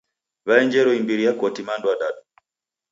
Waenjero imbiri ya koti mando adadu.